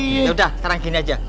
yaudah sekarang gini aja